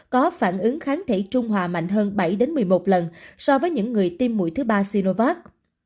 có phản ứng kháng thể trung hòa mạnh hơn bảy một mươi một lần so với những người tiêm mũi thứ ba siriovat